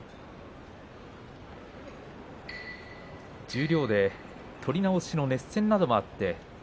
十両で取り直しの熱戦などもありました。